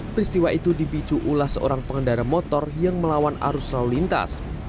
peristiwa itu dipicu ulah seorang pengendara motor yang melawan arus lalu lintas